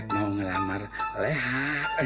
mau ngelamar leha